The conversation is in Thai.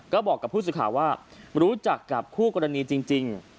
ก็บอกกับผู้สื่อข่าวว่ารู้จักกับคู่กรณีจริง